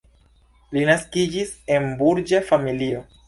Li naskiĝis en burĝa familio.